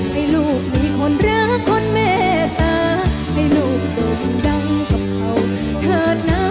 ให้ลูกมีคนรักคนแม่ตาให้ลูกโด่งดังกับเขาเถิดนะ